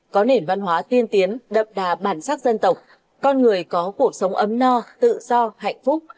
có nền văn hóa tiên tiến đậm đà bản sắc dân tộc con người có cuộc sống ấm no tự do hạnh phúc